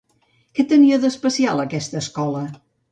Què tenia, d'especial, aquesta escola?